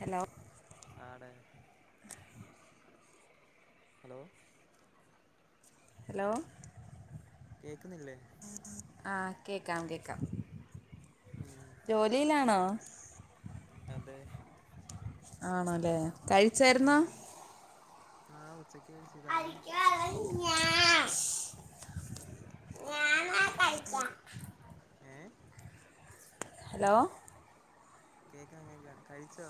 Hello ആണ് hello hello കേക്കുന്നില്ലേ ആ കേൾക്കാം കേൾക്കാം ഉം ജോലിയിലാണോ അതേ ആണോല്ലേ കഴിച്ചായിരുന്നോ ആഹ അിക്ക ഞാ [unintelligible] ഞാനാ കഴിച്ചേ ഏ ഹലോ കേക്കാം കേക്കാ കഴിച്ചോ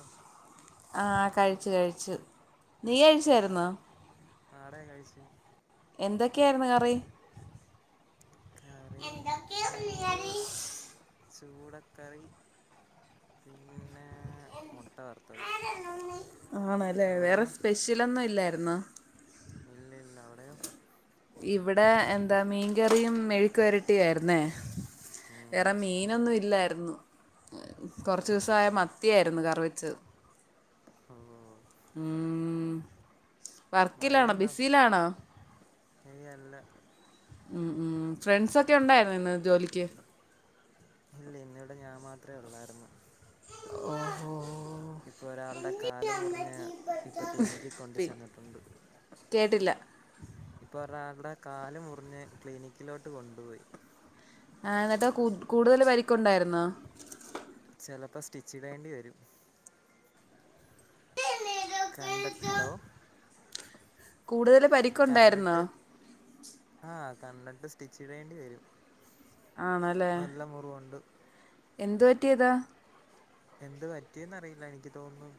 ആ കഴിച്ചു കഴിച്ചു നീ ഉം കഴിച്ചായിരുന്നോ ആടെ കഴിച്ച് എന്തൊക്കെയായിരുന്നു കറി കറി എന്താക്ക ഉണ്ട് ചോറ് കറി ചൂടക്കറി പിന്നെ മുട്ട വറുത്തത് ആണല്ലേ അവിടെയോ വേറെ സ്പെഷ്യലൊന്നും ഇല്ലായിരുന്നോ ഇല്ല ഇല്ല അവിടെയോ ഇവിടെ എന്താ മീൻകറിയും മെഴ് ക്കു പെരട്ടിയു ആയ്രുന്നെ. വേറെ ഉം മീനൊന്നും ഇല്ലായി രുന്നു. ഓ കൊറച്ച് ദിവസായവത്തിയായിരുന്നു കറിവെച്ചത് ഓ ഊം വർക്കിലാണോ മഴയുണ്ടോ ബിസിയിലാണോ ഏയ് അല്ല ഉം ഉം ഫ്രണ്ട്സൊക്കെ ഉണ്ടായിരുന്നൊ ഇന്ന് ജോലിക്ക് ഇല്ല ഇന്നിവിടെ ഞാൻ മാത്രേ ഉള്ളായിരുന്നു ഓഹോ ഇപ്പൊ ഒരാളുടെ കാല് മുറിഞ്ഞ ഇപ്പൊ ക്ലിനിക്കിൽ കൊണ്ട് പി ചെന്നിട്ടുണ്ട് കേട്ടില്ല ഇപ്പ ഒരാളുടെ കാല് മുറിഞ്ഞ് ക്ലിനിക്കിലോട്ട് കൊണ്ടുപോയി ആ എന്നിട്ടാ കു കൂടുതൽ പരിക്ക്ണ്ടായിരുന്നോ ചിലപ്പോ സ്റ്റിച്ച് ഇടേണ്ടി വരും കണ്ടക് ഹലോ കൂടുതല് പരിക്കുണ്ടായിരുന്നോ കണ്ടിട്ട് ആ കണ്ടിട്ട് സ്റ്റിച്ച് ഇടേണ്ടി വരും. നല്ല മുറിവുണ്ട് എന്ത് പറ്റിയതാ എന്ത് പറ്റിന്ന്റിയില്ല എനിക്ക് തോന്നുന്നു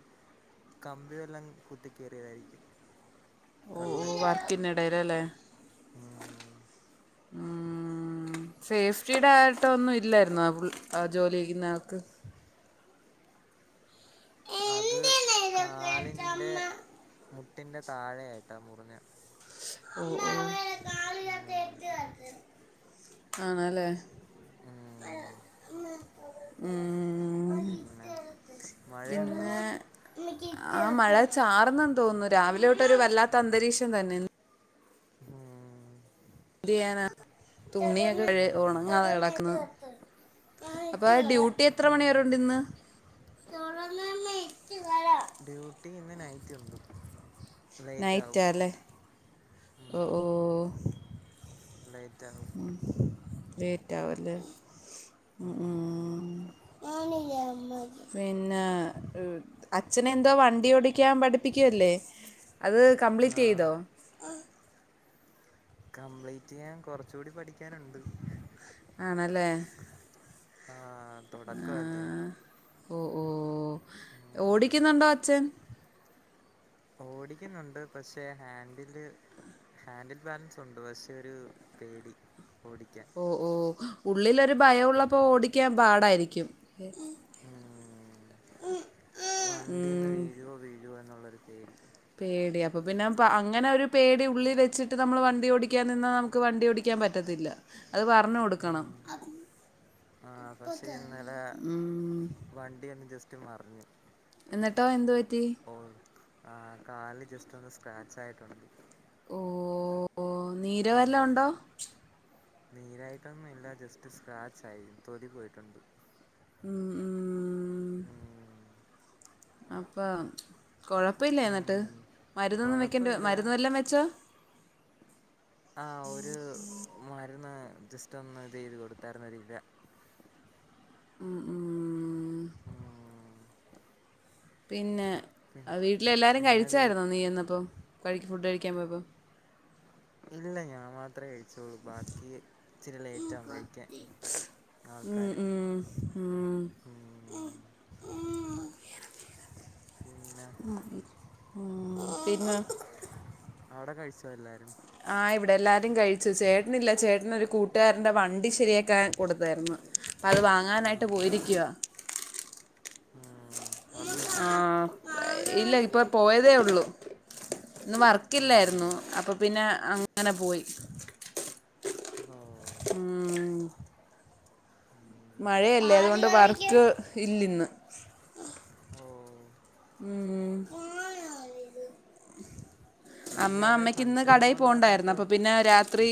കമ്പിയെല്ലാം കുത്തി കേറിയതായിരിക്കും ഓ ഓ വർക്കിന്നിടേല് അല്ലേ ആഹ് ആ സേഫ്റ്റിയുടെ ആയിട്ട ഒന്നും ഇല്ലായിരുന്നോ ആ ആ ജോലി ചെയ്യുന്ന ആൾക്ക് അത് എന്തിനാ ഇതൊക്കെ ഇട്ട് കാലിൻ്റെ അമ്മ മു ട്ടിന്റെ താഴെയായിട്ടാ മുറിഞ്ഞ ഓ ഓ ഉം. ആണല്ലേ ഉം. ഉം പിന്നെ മഴയുണ്ടോ പിന്നെ ആ മഴ ചാർന്നെന്ന് തോന്നുന്നു രാവിലെ തൊട്ടൊരു വല്ലാത്ത അന്തരീക്ഷം തന്നെ ഇന്ന് ആഹ് ന്തെയ്യാനാ. തുണിയൊക്കെ [unintelligible] ഉം. ഉണങ്ങാതെ കെടക്കുന്ന് അ പ്പ ഡ്യൂട്ടി എത്ര മണി വരെ ഉം ഉണ്ട് ഇന്ന് ഡ്യൂട്ടി ഇന്ന് നൈറ്റ് ഉണ്ട് ലേറ്റ് ആവും നൈറ്റാല്ലേ ഒ ഓ റ്റു [unintelligible] ഉം ലേറ്റ് ആവല്ലേ ഉ ഉം പിന്നെ അച്ഛനെ എന്തോ വണ്ടി ഓടിക്കാൻ പഠിപ്പിക്കുവല്ലേ അത് കംപ്ലീറ്റ് ആഹ് ചെയ്തോ കംപ്ലീറ്റ് ചെയ്യാൻ കൊറച്ച് കൂടി പഠിക്കാനുണ്ട് ആണല്ലേ ആഹ് തുടക്കവല്ലേ ആഹ് ഓ ഓ ഓടിക്കുന്നുണ്ടോ അച്ഛൻ ഓടിക്കുന്നുണ്ട് പക്ഷെ ഹാൻഡില് ഹാൻഡിൽ ബാലൻസ് ഉണ്ട് പക്ഷെ ഒരു പേടി ഓടിക്കാൻ ഓ ഓ ഉള്ളിലൊരു ഭയഉള്ളപ്പോൾ ഓടിക്കാൻ പാടായിരിക്കും ഉം ഉം ഉം വണ്ടീന്ന് വീഴുവോ ഊം വീഴുവോ എന്നുള്ളൊരു പേടി പേടി അപ്പൊ പിന്നെ അങ്ങനെ ഒരു പേടി ഉള്ളിൽ വെച്ചിട്ട് നമ്മൾ വണ്ടി ഓടിക്കാൻ നിന്നാ നമുക്ക് വണ്ടി ഓടിക്ക പറ്റത്തില്ലാ അത് പറഞ്ഞ് കൊട്ക്കാണം. ഉം ആഹ് പശെ ഇന്നലെ ഉം വണ്ടീന്ന് ജസ്റ്റ് മറിഞ്ഞ് എന്നിട്ടോ എന്ത് പറ്റി? ആഹ്, കാല് ജസ്റ്റ് ഒന്ന് സ്ക്രാചായിട്ടുണ്ട് ഓ ഓ നീര് വല്ലോമ് ഒണ്ടോ? നീരായിറ്റൊന്നില്ല ജസ്റ്റ് സ്‌ക്രചായി തൊലി പോയിട്ടുണ്ട്. ഉം ഉം ഉം ഉും അപ്പം ആം കൊഴപ്പല്ലേന്നിട്ട്. ഉം മരുന്നൊന്നും വെക്കേണ്ടേ കുഴപ്പമില്ല മരുന്ന് വാല്ലോ വെച്ചോ,? ആഹ് ഒരു മരുന്ന് ജസ്‌റ്റൊന്ന് തൈതികൊണ്ട്തളര്ന്നു ത് ല്ലാ ഉം ഉം. ഉം പിന്നെ പി അ വീട്ടിലേല്ലാരും പിന്നെ വീ കഴിച്ചാര്ന്നോ നീ ചെന്നപ്പം കഴിക് ഫുഡ് കഴിക്കാൻ പോയോപ്പോ ഞാ മാത്രകഴിക് ച്ച്ളു ബാക്കി ഇച്ചിരി ഉം ലേറ്റവും കഴിക്കാൻ കൊത്തി ഉം ആൾക്കാര്. ഉം ഉം [unintelligible] പിന്നെ ഉം പിന്നെ [inaudible] അവടെ കഴിച്ചോ എല്ലാരും? ഹ ആഹ് ഇവടെ എല്ലായും കഴിച്ചു. ചേട്ടനില്ലാ ചേട്ടന് ഒരു കൂട്ടുകാന്റെ വണ്ടി ശരിയാക്കാൻ കൊട്ത്താര്ന്നു. അത് ആ വാങ്ങാനായിട്ട് പോയിരിക്കുവ്യാ. ഉം വന്നില്ലേ ആഹ് ഇല്ല ഇപ്പോ പ്പോയതെള്ളു. ന്ന് വർക്ക്ല്ലാര് ന്നു ഓ അപ്പൊ പിന്നെ അങ്ങനെ പോയി. മ്മ് മഴയല്ലേ അത് കൊണ്ട് വർക്ക് ഇല്ല് ഇന്ന്. ഓ ഉം ഉം [unintelligible] അമ്മ ഇന്നെവിടെ അമ്മക്ക് ഇന്ന് ഫംഗ്ഷന് കടയിൽ പോന്ന് പോണ്ടായിരുന്നു പറഞ്ഞിട്ടോ അപ്പൊ പിന്നെ രാത്രി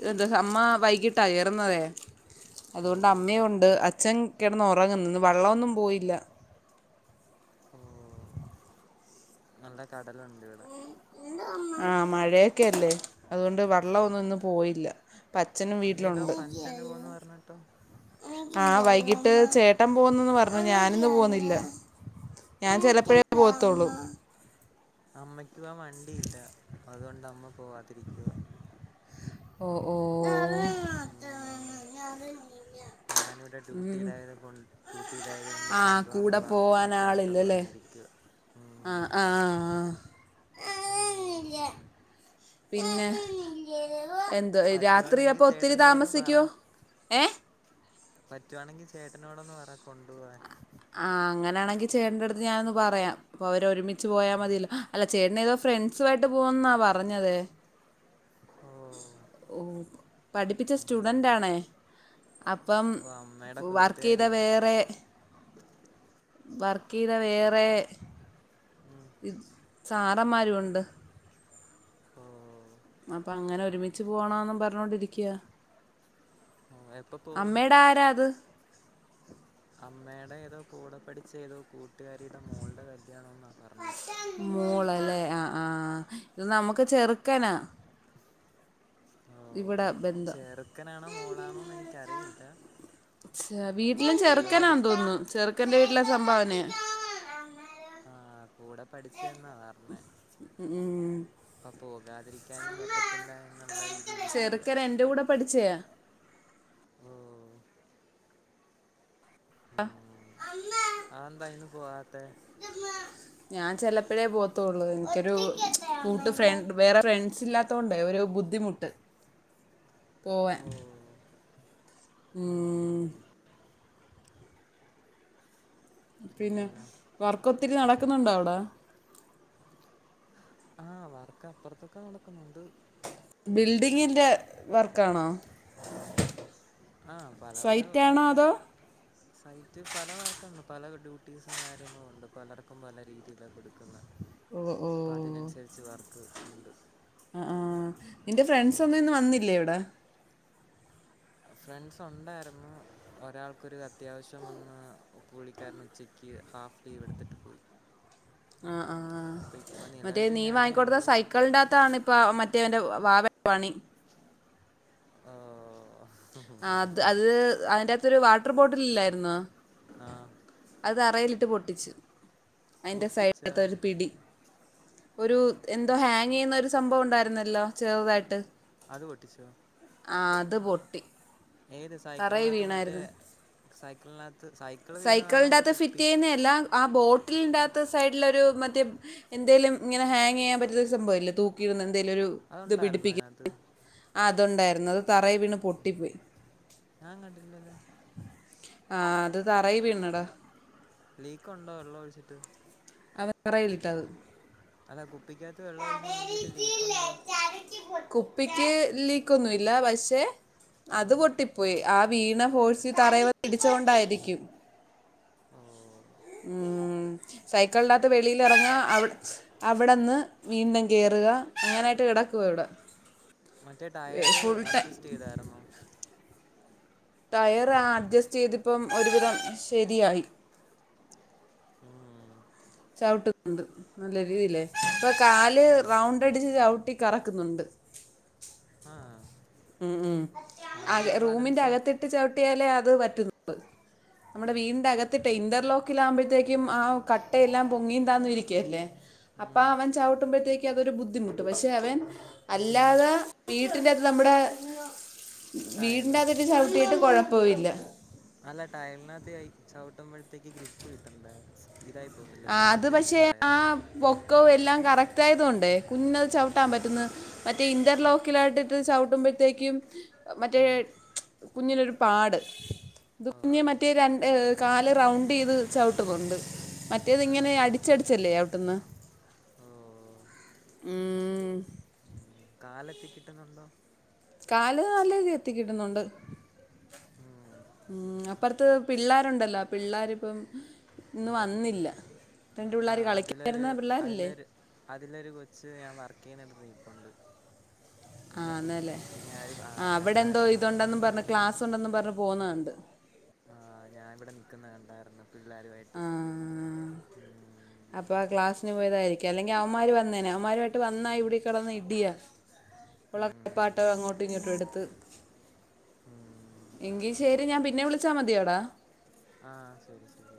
ഇതന്താ അമ്മ വൈകിട്ടാ റുന്നതേ ഓ അതുകൊണ്ട് അമ്മയുണ്ട് അച് അച്ച്ചൻ കിടന്ന് ഉറങ്ങുന്നുന്ന് വള്ളമൊന്നും പോയില്ല ഓ നല്ല കടലുണ്ട് ഇവിടെ ആഹ് മഴയൊക്കെല്ലേ അതുകൊണ്ട് വള്ളഒന്നും ഇന്ന് പോയില്ല പച്ചനും ഇന്നേതോ വീട്ടിലുണ്ട് ഫംഗ്ഷന് പോന്ന് പറഞ്ഞിട്ടോ ആ വൈ ട്ട് ചേട്ടൻ പോകുന്നുന്ന് പറഞ്ഞു ഞാനിന്ന് പോന്നില്ല ഞാൻചെലപ്പഴേ പോവത്തുള്ളു അമ്മയ്ക്കും ആ വണ്ടിയില്ല അതുകൊണ്ട് അമ്മ പോവാതിരിക്കുവ ഓ ഓ ഞാനിവിടെ ഉം. ഡ്യൂട്ടിയിലായത് കൊ ഡ്യൂട്ടിയിലായത് കൊണ്ട് ആ കൊണ്ടു പോവാൻ കൂടെ പോവാൻ പറ്റാത്ത ആളില്ലല്ലേ കൊണ്ടിരി [inaudible] ആഹ് ആഹ് ആഹ് ആഹ് പിന്നെ [unintelligible] എന്തോ രാത്രി പറ്റുവാണെങ്കിൽ അപ്പൊ ഒത്തിരി ചേട്ടനോടൊന്ന് പറ താമസിക്കുവ ഏ പറ്റുവാണെങ്കിൽ ചേട്ടനോടൊന്ന് പറയാ കൊണ്ടു പോ വാൻ. ആഹ് അങ്ങനാണെങ്കിൽ ചേന്റെ അടുത്ത് ഞാനൊന്ന് പറയാം അപ്പൊ അവര് ഒരുമിച്ച് പോയാ മതിയല്ലോ അല്ല ചേട്ട നേതാ ഫ്രണ്ട്സു ആമായിട്ട് പോവന്നാ പറഞ്ഞതേ ഓ ഓ പഠിപ്പിച്ച ഉം സ്റ്റുഡന്റ് ആണേ അപ്പം ഓ അമ്മയുടെ വർക്ക് ചെയ്ത കൂട്ടുകാരിയാ. വേറെ വർക്ക് ചെയ്ത വേറെ ഉം ഇ സാറന്മാരു ഉണ്ട്. ഓ അപ്പൊ അങ്ങനെ ഒരുമിച്ച് പോണന്നും പറഞ്ഞോണ്ടിരിക്കയാ ഓ എപ്പ പോവും അമ്മയുടെ ആരാ അത് മേഡം ഏതോ കൂടെ പഠിച്ച ഏതോ കൂട്ട കൂട്ടുകാരിയുടെ മോളുടെ കല്യാണോന്ന പറഞ്ഞേ ആഹ് ഇത് നമുക്ക് ചെറുക്കനാ ഓ ഇവിടെ ബന്ധം ചെറുക്കനാണോ മോളാണോന്ന് എനിക്കറിയില്ല വീട്ടിലും കൂടെ ചെറുക്കനാ പഠി തോന്നുന്നു ചെറുക്കൻറെ വീട്ടില സംഭാവന്നെയാ ആ കൂടെ പഠിച്ച എന്നാ പറഞ്ഞേ ഉം അപ്പ പോകാതിരിക്കാനും പറ്റത്തില്ല എന്നുള്ള രീതിയിൽ ഇരിക്കുവ ചെറുക്കൻ [unintelligible] ആ ഉം അമ്മേ അതെന്താ ഇന്ന് പോവാത്തെ എല്ല [unintelligible] ഞാൻ ചെലപ്പഴേ പോവത്തോള്ള് എനിക്കൊരു കൂട്ട് ഫ്രണ്ട വേറെ ഫ്രണ്ട്സ് ഇല്ലാത്ത കൊണ്ടെ ഒരു ബുദ്ധിമുട്ട് പോവാൻ ഓ ഉം പിന്നെ വർക്ക് ഒത്തിരി നടക്കുന്നുണ്ടോ അവിടെ ആഹ് വർക്ക് അപ്പുറത്തൊക്കെ നടക്കുന്നുണ്ട് ബിൽഡിങ്ങിന്റെ വർക്കാണോ ആഹ് പല പല സൈറ്റ് ആണോ വർക്ക് അതോ സൈറ്റ് പല വർക്ക്ണ്ട് പല ഡ്യൂട്ടീസും കാര്യങ്ങളും ഉണ്ട് പലർക്കും പല രീതിയില കൊടുക്കുന്ന ഓ ഓ അപ്പൊ അതിനനുസരിച്ച് വർക്ക് ഉണ്ട് ആ ആഹ് നിന്റെ ഫ്രണ്ട്സ് ഒന്നും ആഹ് ഇന്ന് വന്നില്ലേ അവിടെ ഫ്രണ്ട്സ് ഒണ്ടായിരുന്നു ഒരാൾക്കൊരു അത്യാവശ്യം വന്ന് പുളളിക്കാരൻ ഉച്ചക്ക് [unintelligible] ഹാഫ് ലീവ് എടുത്തിട്ട് പോയി ആ ആഹ് അപ്പൊ ഇപ്പൊ മറ്റേ നിലവില് നീ ഞാനേ വാങ്ങിക്കൊടുത്ത ഉള്ളു സൈക്കിളിന്റെ അകത്താണ് ഇപ്പ മറ്റെ ദേവന്റെ വാവ പണി ഓ ആ അത് അത് അതിൻ്റെ അകത്തൊരു വാട്ടർ ബോട്ടില് ഇല്ലായിരുന്നോ ആഹ് അത് തറയിലിട്ട് പൊട്ടിച്ചു അതിന്റെ പൊട്ടിച്ചോ സൈഡിലത്തെ ഒരു പിടി ഒരു എന്തോ ഹാങ് ചെയ്യുന്ന ഒരു സംഭവം ഉണ്ടായിരുന്നല്ലോ ചെറുതായിട്ട് അത് പൊട്ടിച്ചോ ആഹ് അത് പൊട്ടി ഏത് തറയിൽ സൈക്കിളിനകത്ത് മറ്റേ സൈക്കിളിനകത്ത് സൈക്കിള് വീണതാണോ സൈക്കിളിന്റെ അതോ അകത്ത് ഫിറ്റ് കുപ്പി ചെയ്യുന്ന അല്ല ആ ബോട്ടിൽന്റകത്ത് സൈഡിലൊരു മറ്റേ എന്തേലും ഇങ്ങനെ ഹാങ് ചെയ്യാൻ പറ്റുന്ന സംഭവം ഇല്ലെ തൂക്കിയിടുന്ന ണ്ടിലൊരു ഇത് അതുണ്ടായിരുന്നോ അതിനകത്ത് പിടിപ്പിക്കുന്ന അത് ഉണ്ടായിരുന്നു അത് തറയിൽ വീണ് പൊട്ടി പോയി ഞാൻ കണ്ടില്ലല്ലോ ആ അത് തറയിൽ വീണെടാ ലീക്ക് ഉണ്ടോ വെള്ളം ഒഴിച്ചിട്ട് അവൻ തറയിൽ ഇട്ടത് അതാ കുപ്പിക്കാത്ത് വെള്ളം ഒഴിച്ച് നോക്കിട്ട് ലീക്ക് ഉണ്ടോ കുപ്പിക്ക് ലീക്ക് ഒന്നുമില്ല പക്ഷേ അത് പൊട്ടിപ്പോയ് ആ വീണ ഫോഴ്സിൽ തറയിൽ വന്ന് ഇടിച്ച കൊണ്ടായിരിക്കും ഓ ഊം സൈക്കൾനാത്ത് വെളിയിലിറങ്ങ അവിട് അവിടെന്ന് വീണ്ടും കേറുക ഇങ്ങനായിട്ട് കിടക്കുവ ഇവിടെ മറ്റേ ടയറ് ഫുൾ ടൈം. അഡ്ജസ്റ്റ്യ്തായിരുന്നോ? ടയറ് ആഹ് അഡ്ജസ്റ്റ്യ്തിപ്പം ഒരുവിധം ശരിയായി ഉം ചവിട്ടുന്നുണ്ട് നല്ല രീതിയിലേ ഇപ്പൊ കാല് റൗണ്ടടിച്ച് ചവിട്ടി കറക്കുന്നുണ്ട്. ആ ഉം ഉം ആതെ ഹാൻഡിൽ റൂമിന്റെ ബാലൻസോ അകത്തിട്ട് ചവിട്ടിയാലേ അത് പറ്റുന്നുള്ളൂ നമ്മുടെ വീടിന്റെ അകത്തിട്ടേ ഇന്റർലോക്കിലാഉമ്പയ്ത്തേക്കും ആഒ കട്ടയെല്ലാം പൊങ്ങിയും, താന്നും ഇരിക്കല്ലേ അപ്പൊ ഉം. അവൻ ചവിട്ടുമ്പയ്ത്തേക്കും അതൊരു ബുദ്ധിമുട്ട് പക്ഷെ അവൻ ഉം. അല്ലാതെ വീട്ടിന്റെറകത്ത് നമ്മുടെ ടയലോ വീടിന്റെകത്ത് ചവിട്ടിയിട്ട് കുഴ പോയില്ല അല്ല ടയൽനാത്ത് ചവിട്ടുമ്പഴത്തേക്ക് ഗ്രിപ്പ് കിട്ടണ്ടേ ഇതായി പോകത്തില്ല ആഹ് അത് തെന്നത്തില്ലേ പക്ഷെ ടയർ ആഹ് പൊക്കവും എല്ലാം കറക്റ്റ് റ്റായതു കൊണ്ടേ കുഞ്ഞിനത് ചവിട്ടാൻ പറ്റുന്നു. മറ്റേ ഇന്റർലോക്കിലായിട്ട് ഇത് ചവ് ട്ടുമ്പയ്ത്തേക്കും മറ്റേ ഉം. കുഞ്ഞിനൊരു പാട് ഓ കുഞ്ഞ് മറ്റേ രണ്ട് കാല് റൗണ്ട്യ്ത് ചവിട്ടുന്നുണ്ട്. മ റ്റേത്ങ്ങനെ ഓ അടിച്ചടിച്ചല്ലേ യവിട്ടുന്നേ ഓ ഉം കാലെത്തി കിട്ടുന്നുണ്ടോ കാല് നലേക്ക് എത്തിക്കിട്ടുന്നുണ്ട് ഉം ഉം അപ്പറത്ത് പിള്ളേരുണ്ടല്ലോ പിള്ളേരിപ്പം ഇന്ന് വന്നില്ല രണ്ട് പിള്ളേർ ആഹ് അതിലൊരു കളിക്കാരുന്ന പിള്ളേരില്ലേ അതിലൊരു അതിലൊരു കൊച്ച് ഞാൻ വർക്ക് ചെയ്യുന്ന എടു പണ്ട് ആഹ് ന്നല്ലേ ആ അവിടെ എന്തോ കണ്ടായിരുന്നു ഇന്ന് ഇതുണ്ടെന്നും പറഞ്ഞഞ് ക്ലാസ് ഉണ്ടെന്നും പറഞ്ഞ പോന്നാണ്ട് ആഹ് ഞാനിവിടെ നിക്കുന്ന കണ്ടായിരുന്നു പിള്ളേരു ആയിട്ട് ഉം അപ്പൊ ആഹ് ക്ലാസ്സിന് പോയതായിരിക്കും അല്ലെങ്കി അവന്മാർ വന്നേനെ അവമാരുമായിട്ട് വന്നാ ഇവിടെ കിടന്ന് ഇടിയാ ഉം [unintelligible] അങ്ങോട്ടും ഇങ്ങോട്ടും എടുത്ത് ഉം എങ്കി ശരി ഞാൻ പിന്നെ വിളിച്ചാ മതിയോടാ ആഹ് ശരി ശരി